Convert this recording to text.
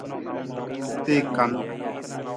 Tee kan.